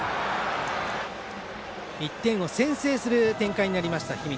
１点を先制する展開になりました氷見。